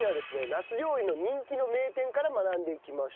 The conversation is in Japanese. ナス料理の人気の名店から学んでいきましょう。